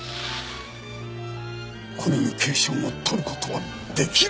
コミュニケーションを取る事はできるのだ。